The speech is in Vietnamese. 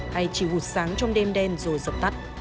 hay chỉ vụt sáng trong đêm đen rồi dập tắt